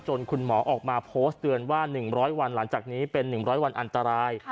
คุณหมอออกมาโพสต์เตือนว่า๑๐๐วันหลังจากนี้เป็น๑๐๐วันอันตราย